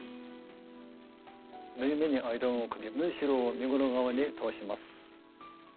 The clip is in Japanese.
縫い目にアイロンをかけ縫いしろを身ごろ側に倒します。